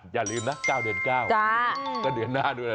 อย่าลืมนะเก้าเดือนเก้าก็เดือนหน้าด้วยนะ